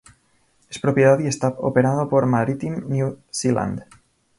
Es propiedad y está operado por "Maritime New Zealand".